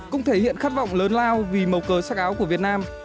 cũng thể hiện khát vọng lớn lao vì màu cờ sắc áo của việt nam